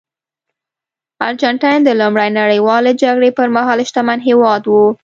ارجنټاین د لومړۍ نړیوالې جګړې پرمهال شتمن هېواد و.